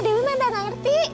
demi mana gak ngerti